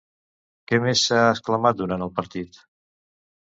Què més s'ha exclamat durant el partit?